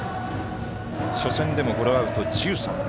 初戦でも、ゴロアウト１３。